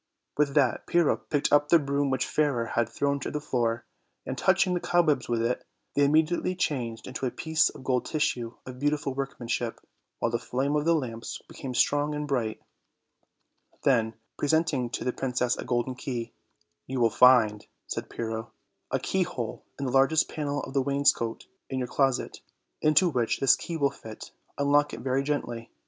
With that Pyrrho picked up the broom which Fairer had thrown on the floor, and, touching the cobwebs with it, they immediately changed into a piece of gold tissue of beautiful workmanship, while the flame of the lamps became strong and bright; then, presenting to the princess a golden key: "You will find," said Pyrrho, "a keyhole in the largest panel of the wainscot in your closet, into which this key will fit; unlock it very gently.